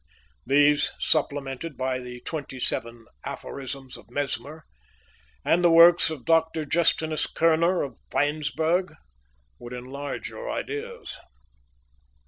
These, supplemented by the twenty seven Aphorisms of Mesmer, and the works of Dr. Justinus Kerner, of Weinsberg, would enlarge your ideas."